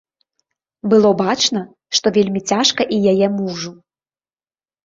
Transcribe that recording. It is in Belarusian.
Было бачна, што вельмі цяжка і яе мужу.